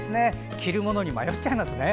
着るものに迷っちゃいますね。